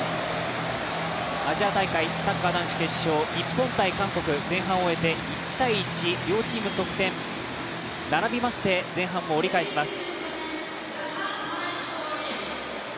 アジア大会サッカー男子決勝、日本×韓国前半を終えて１−１両チーム得点並びまして前半を折り返します。